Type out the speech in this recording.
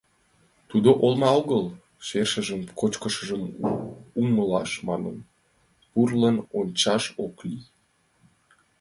Тудо олма огыл — шерыжым-кочыжым умылаш манын, пурлын ончаш ок лий.